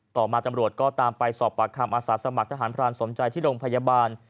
ต่อมาตำรวจก็ตามไปสอบปากคำอาสาสมัครทหารพรานสมใจที่โรงพยาบาล